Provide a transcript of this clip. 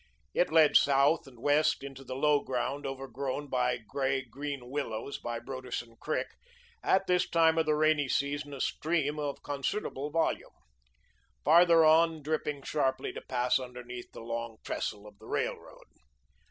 It led south and west into the low ground overgrown by grey green willows by Broderson Creek, at this time of the rainy season a stream of considerable volume, farther on dipping sharply to pass underneath the Long Trestle of the railroad.